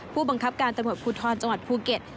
ผู้บังคับการตำรวจภูทรจังหวัดภูเก็ต